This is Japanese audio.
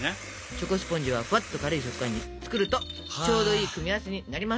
チョコスポンジはふわっと軽い食感に作るとちょうどいい組み合わせになります。